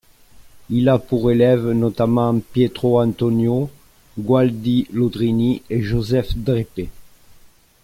Il a pour élèves notamment Pietro Antonio Gualdi Lodrini et Joseph Dreppe.